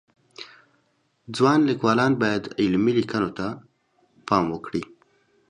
ځوان لیکوالان باید علمی لیکنو ته پام وکړي